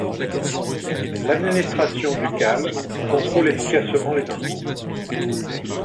L'administration ducale contrôle efficacement les impôts.